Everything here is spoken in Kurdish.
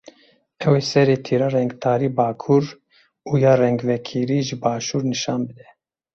Ew ê serê tîra rengtarî bakur û ya rengvekirî jî başûr nîşan bide.